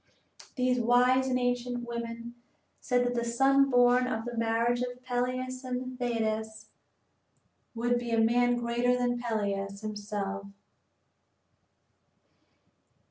These wise and ancient women said that the son born of the marriage of Peleus and Thetis would be a man greater than Peleus himself.